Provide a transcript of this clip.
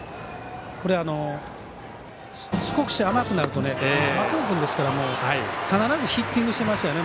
これ、少し甘くなると松尾君ですから必ずヒッティングしてますよね。